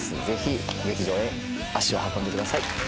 ぜひ劇場へ足を運んでください。